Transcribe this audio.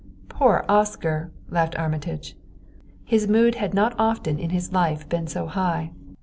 "Poor Oscar!" laughed Armitage. His mood had not often in his life been so high.